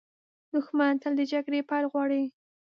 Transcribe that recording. دښمن تل د جګړې پیل غواړي